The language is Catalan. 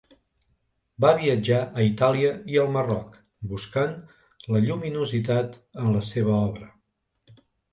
Va viatjar a Itàlia i al Marroc buscant la lluminositat en la seva obra.